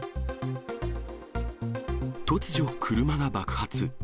突如、車が爆発。